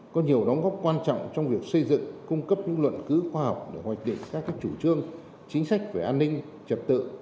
có nhiều đóng góp quan trọng trong việc xây dựng cung cấp những luận cứu khoa học để hoạch định các chủ trương chính sách về an ninh trật tự